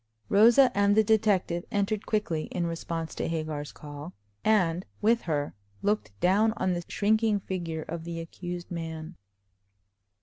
Rosa and the detective entered quickly in response to Hagar's call, and with her looked down on the shrinking figure of the accused man.